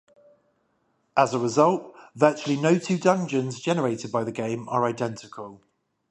As a result, virtually no two dungeons generated by the game are identical.